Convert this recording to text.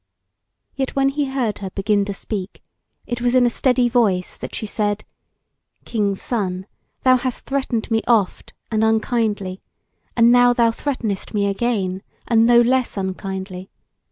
Yet when he heard her begin to speak, it was in a steady voice that she said: "King's Son, thou hast threatened me oft and unkindly, and now thou threatenest me again, and no less unkindly.